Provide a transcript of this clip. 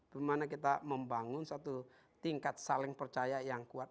bagaimana kita membangun satu tingkat saling percaya yang kuat